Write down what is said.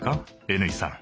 Ｎ井さん。